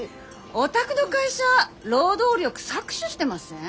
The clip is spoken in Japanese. お宅の会社労働力搾取してません？